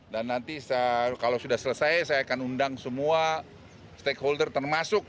dan nanti kalau sudah selesai saya akan undang semua stakeholder termasuk